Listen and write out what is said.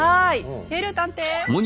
ヘルー探偵！